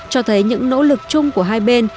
cho thấy những nỗ lực chung của hai bên